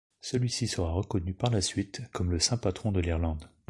Celui-ci sera reconnu par la suite comme le saint patron de l’Irlande.